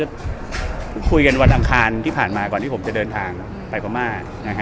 ก็คุยกันวันอังคารที่ผ่านมาก่อนที่ผมจะเดินทางไปพม่า